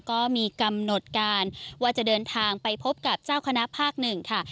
ก็มีกำหนดการว่าจะเดินทางไปพบกับเจ้าคณะภาคหนึ่งค่ะ